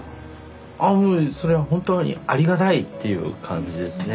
それは本当にありがたいっていう感じですね。